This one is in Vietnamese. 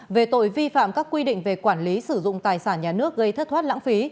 về tội vi phạm các quy định về quản lý sử dụng tài sản nhà nước gây thất thoát lãng phí